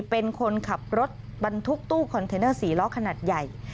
เป็นคนขับรถบรรทุกตู้คอนเทนเนอร์๔ล้อขนาดใหญ่